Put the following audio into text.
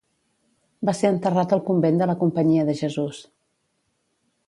Va ser enterrat al convent de la Companyia de Jesús.